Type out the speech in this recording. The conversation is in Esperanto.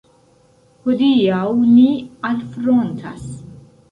Hodiaŭ ni alfrontas.